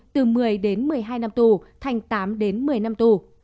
từ một mươi đến một mươi hai năm tù thành tám đến một mươi năm tù